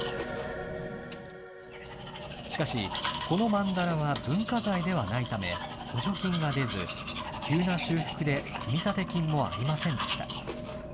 しかし、このまんだらは文化財ではないため、補助金が出ず、急な修復で積立金もありませんでした。